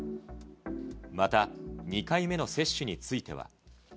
また、２回目の接種については。